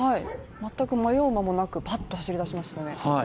全く迷う間もなく、ぱっと走り出しましたね。